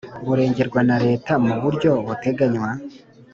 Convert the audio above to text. burengerwa na Leta mu buryo buteganywa